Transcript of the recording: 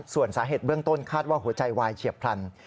ส่วนสาเหตุเบื้องต้นคาดว่าหัวใจวายเฉียบพลัน